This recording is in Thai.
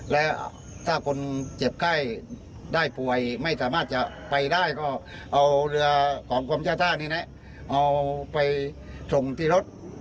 และถ้าคนเจ็บไข้ได้ป่วยไม่สามารถจะไปได้ก็เอาเรือของกรมเจ้าท่านี้นะเอาไปส่งที่รถ